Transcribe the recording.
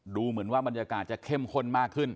ดูเหมือนว่าบรรยากาศจะเข้มข้นมากขึ้น